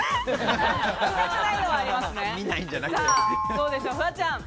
どうでしょう、フワちゃん。